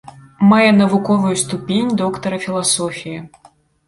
Мае навуковую ступень доктара філасофіі.